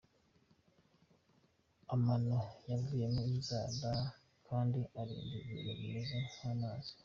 Amano yavuyemo inzara kandi aninda ibintu bimeze nk’amazi.